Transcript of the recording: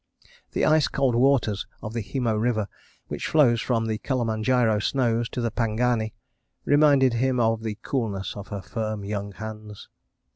The ice cold waters of the Himo River, which flows from the Kilimanjaro snows to the Pangani, reminded him of the coolness of her firm young hands.